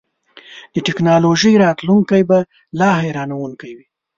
د ټیکنالوژۍ راتلونکی به لا حیرانوونکی وي.